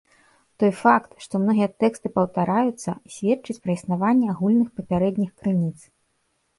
Той факт, што многія тэксты паўтараюцца, сведчыць пра існаванне агульных папярэдніх крыніц.